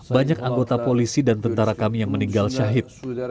banyak anggota polisi dan tentara kami yang meninggal syahid